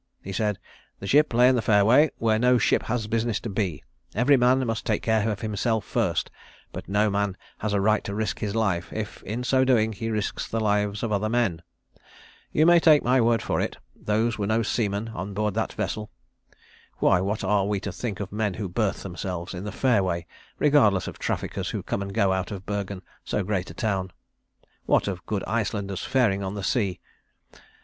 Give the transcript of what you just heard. He said, "The ship lay in the fairway where no ship has business to be. Every man must take care of himself first, but no man has a right to risk his life if, in so doing, he risks the lives of other men. You may take my word for it, those were no seamen on board that vessel. Why, what are we to think of men who berth themselves in the fairway, regardless of traffickers who come and go out of Bergen, so great a town? What of good Icelanders faring on the sea?